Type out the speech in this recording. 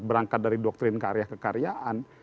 berangkat dari doktrin karya kekaryaan